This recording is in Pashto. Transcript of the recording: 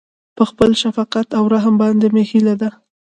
په خپل شفقت او رحم باندې مې هيله ده.